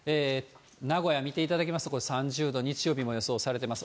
名古屋見ていただきますと、これ、３０度、日曜日も予想されてます。